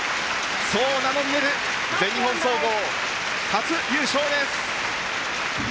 そう名乗り出る、全日本総合初優勝です。